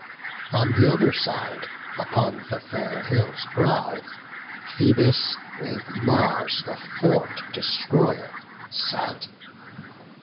On th' other side, upon the fair hill's brow, Phoebus with Mars the fort destroyer sat.